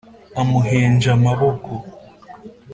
Amuhenja amaboko